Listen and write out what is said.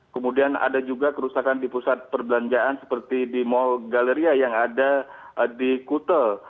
kemudian ada juga kerusakan di pusat perbelanjaan seperti di mall galeria yang ada di kutel